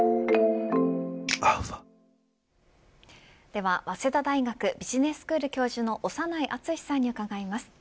では早稲田大学ビジネススクール教授の長内厚さんに伺います。